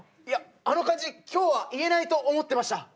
いやあの感じ今日は言えないと思ってました。